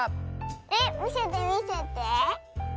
えっみせてみせて。